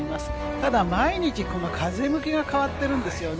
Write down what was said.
ただ毎日、この風向きが変わってるんですよね。